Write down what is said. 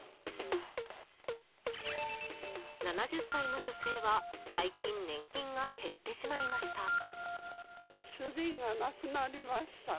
７０歳の女性は最近年金が減ってしまいました。